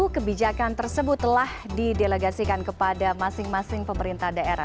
kebijakan tersebut telah didelegasikan kepada masing masing pemerintah daerah